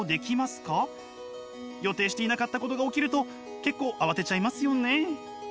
予定していなかったことが起きると結構慌てちゃいますよね。